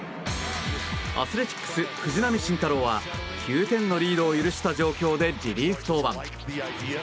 アスレチックス、藤浪晋太郎は９点のリードを許した状況でリリーフ登板。